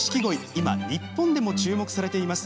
今、日本でも注目されています。